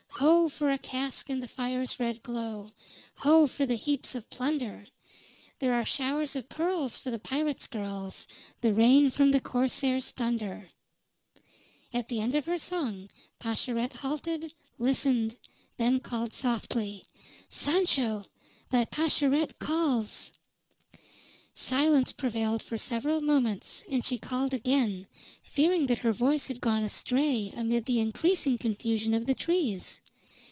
"Ho! for a cask in the fire's red glow; Ho! for the heaps of plunder. There are showers of pearls for the pirates' girls The rain from the corsair's thunder!" At the end of her song Pascherette halted, listened, then called softly: "Sancho! Thy Pascherette calls!" Silence prevailed for several moments, and she called again, fearing that her voice had gone astray amid the increasing confusion of the trees.